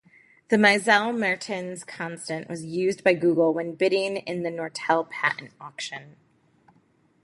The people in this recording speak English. The Meissel-Mertens constant was used by Google when bidding in the Nortel patent auction.